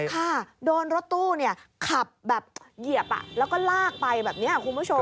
ค่ะโดนรถตู้ขับแบบเหยียบแล้วก็ลากไปแบบนี้คุณผู้ชม